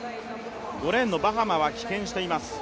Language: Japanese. ５レーンのバハマは棄権しています。